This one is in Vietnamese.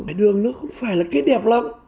hải đường nó không phải là cây đẹp lắm